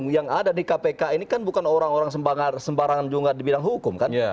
yang ada di kpk ini kan bukan orang orang sembarangan juga di bidang hukum kan